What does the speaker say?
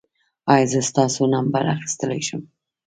ایا زه ستاسو نمبر اخیستلی شم؟